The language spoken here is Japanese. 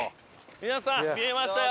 皆さん見えましたよ。